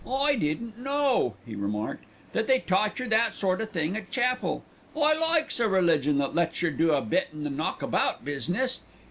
"I didn't know," he remarked, "that they taught yer that sort of thing at chapel. I likes a religion that lets yer do a bit in the knock about business.